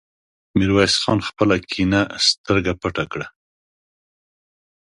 ميرويس خان خپله کيڼه سترګه پټه کړه.